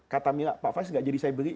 kata mila pak fais gak jadi saya beli